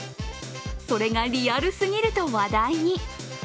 それがリアルすぎると話題に。